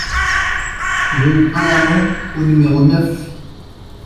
Rue Alamans au numéro neuf